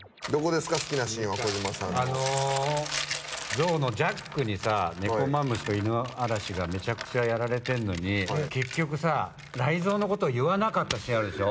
ゾウのジャックにさネコマムシとイヌアラシがめちゃくちゃやられてんのに結局雷ぞうのこと言わなかったシーンあるでしょ。